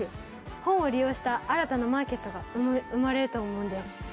本を利用した新たなマーケットが生まれると思うんです。